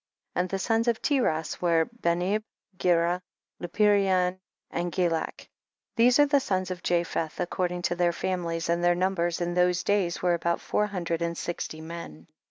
9. And the sons of Tiras were Benib, Gera, Lupirion and Gilak ; these are the sons of Japheth ac cording to their families, and their numbers in those days were about four hundred and sixty men.